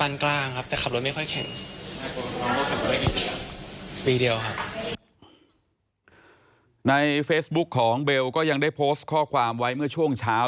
ในเฟซบุ๊กของเบี่ยวก็ยังได้โพสตข้อความไว้เชิงเช้า